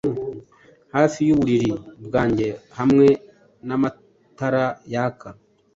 Hafi yuburiri bwanjye hamwe n'amatara yaka.